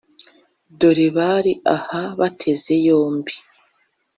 dore bari aha bateze yombi